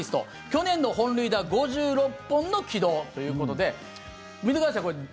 去年の本塁打５６本の軌道ということで見てください、これ。